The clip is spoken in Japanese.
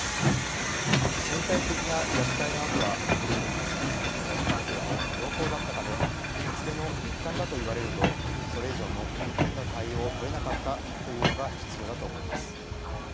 身体的な虐待の痕は確認できず親子関係も、良好だったためしつけの一環だと言われるとそれ以上の踏み込んだ対応を取れなかったというのが実情だと思います。